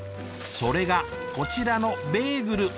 それがこちらのベーグル。